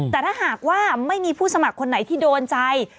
แต่ถ้าหากว่าไม่มีผู้สมัครคนไหนที่โดนใจ